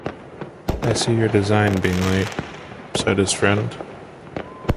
“I see your design, Bingley,” said his friend.